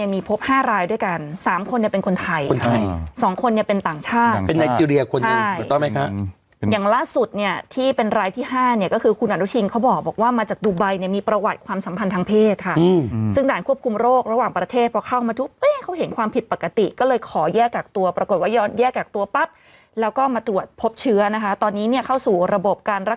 มีพบห้ารายด้วยกันสามคนเนี้ยเป็นคนไทยคนไทยสองคนเนี้ยเป็นต่างชาติเป็นไนเจรียคนอื่นใช่ไหมคะอย่างล่าสุดเนี้ยที่เป็นรายที่ห้าเนี้ยก็คือคุณอาณุชิงเขาบอกว่ามาจากดูใบเนี้ยมีประวัติความสัมพันธ์ทางเพศค่ะอืมซึ่งด่านควบคุมโรคระหว่างประเทศพอเข้ามาทุกเขาเห็นความผิดปกติก็เลยขอยากากตั